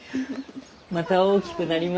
また大きくなりましたね。